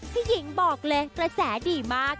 พี่หญิงบอกเลยกระแสดีมาก